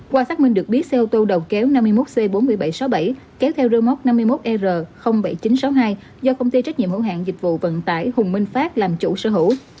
qua xác minh được biết xe ô tô đầu kéo năm mươi một c bốn mươi nghìn bảy trăm sáu mươi bảy kéo theo rơ móc năm mươi một r bảy nghìn chín trăm sáu mươi hai do công ty trách nhiệm hữu hạng dịch vụ vận tải hùng minh phát làm chủ sở hữu